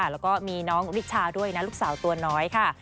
แล้วก็มีน้องหริชาลูกสาวตัวน้อยค่ะ